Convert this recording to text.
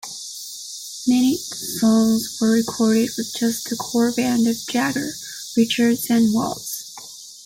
Many songs were recorded with just the core band of Jagger, Richards and Watts.